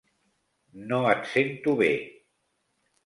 No et sento bé.